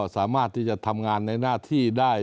สามารถที่จะทำงานในหน้าที่ได้